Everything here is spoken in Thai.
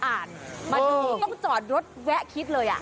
มาดูต้องจอดรถแวะคิดเลย